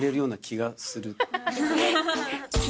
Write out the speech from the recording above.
気がする。